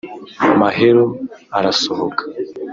Mahero arasohoka